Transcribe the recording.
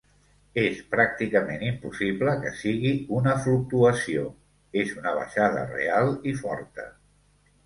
És pràcticament impossible que sigui una fluctuació, és una baixada real i forta.